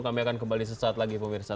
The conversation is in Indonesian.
kami akan kembali sesaat lagi pemirsa